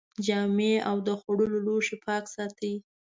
جامې او د خوړو لوښي پاک ساتئ.